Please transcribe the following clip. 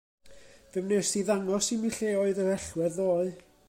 Fe wnest ti ddangos i mi lle roedd yr allwedd ddoe.